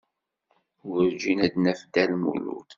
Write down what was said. Werǧin ad d-naf Dda Lmulud.